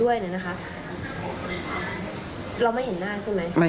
เราไม่เห็นหน้าใช่ไหม